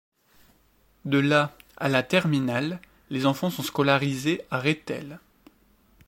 De la à la terminale les enfants sont scolarisés à Rethel.